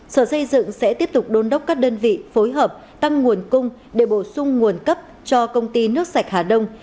sở xây dựng sẽ tiếp tục đôn đốc các đơn vị phối hợp tăng nguồn cung để bổ sung nguồn cấp cho công ty nước sạch hà đông